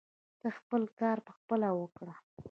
ته خپل کار پخپله وکړه.